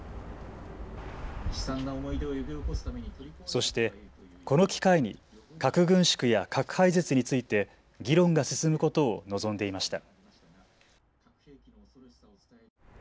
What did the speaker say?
そして、この機会に核軍縮や核廃絶について議論が進むことを望んでいました。